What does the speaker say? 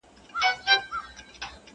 زه په خپل ځان کي بندي د خپل زندان یم.